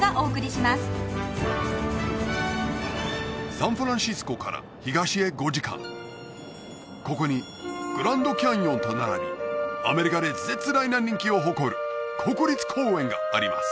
サンフランシスコから東へ５時間ここにグランドキャニオンと並びアメリカで絶大な人気を誇る国立公園があります